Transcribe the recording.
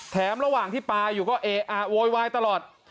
แถมระหว่างที่ปลาอยู่ก็โยยวายตลอด